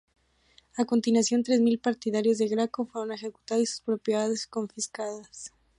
A continuación, tres mil partidarios de Graco fueron ejecutados y sus propiedades confiscadas.